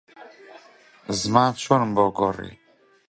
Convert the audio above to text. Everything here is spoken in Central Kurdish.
دەتگوت هەموو ماڵەکانی خەیابانیان بە مشار خشت بڕیوە